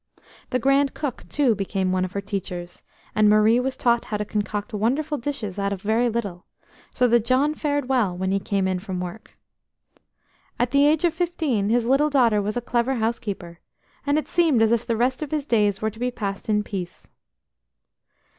The grand cook too became one of her teachers, and Marie was taught how to concoct wonderful dishes out of very little, so that John fared well when he came in from work. At the age of fifteen his little daughter was a clever housekeeper, and it seemed as if the rest of his days were to be passed in peace.